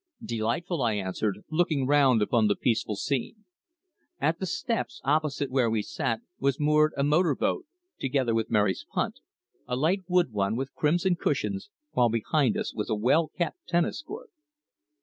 "Delightful," I answered, looking round upon the peaceful scene. At the steps, opposite where we sat, was moored a motor boat, together with Mary's punt, a light wood one with crimson cushions, while behind us was a well kept tennis court.